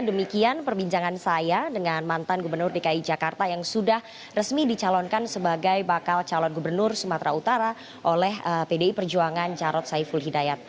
demikian perbincangan saya dengan mantan gubernur dki jakarta yang sudah resmi dicalonkan sebagai bakal calon gubernur sumatera utara oleh pdi perjuangan jarod saiful hidayat